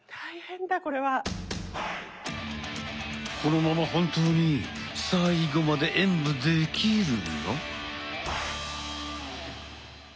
このまま本当に最後まで演武できるの？